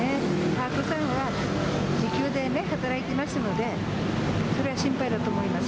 パートさんは時給で働いてますので、それは心配だと思います。